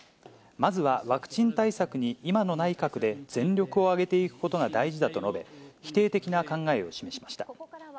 まずはワクチン対策に今の内閣で全力を挙げていくことが大事だと述べ、否定的な考えを示しました。